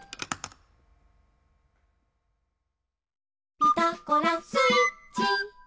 「ピタゴラスイッチ」